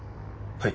はい。